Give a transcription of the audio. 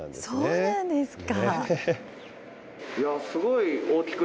そうなんですか。